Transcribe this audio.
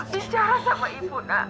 bicara sama ibu nak